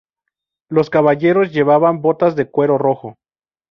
Los caballeros llevaban botas de cuero rojo.